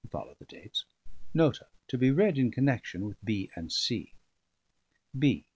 (follow the dates) ... Nota: to be read in connection with B and C. B.